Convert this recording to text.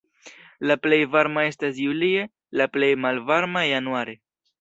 La plej varma estas julie, la plej malvarma januare.